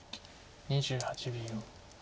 ２８秒。